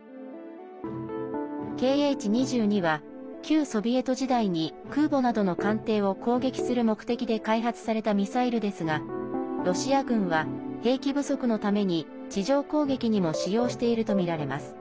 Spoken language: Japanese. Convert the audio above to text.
「Ｋｈ‐２２」は旧ソビエト時代に空母などの艦艇を攻撃する目的で開発されたミサイルですがロシア軍は兵器不足のために地上攻撃にも使用しているとみられます。